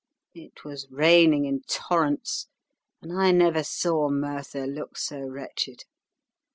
It was raining in torrents, and I never saw Merthyr look so wretched.